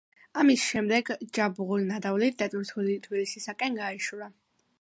ამის შემდეგ ჯაბღუ ნადავლით დატვირთული თბილისისაკენ გაეშურა.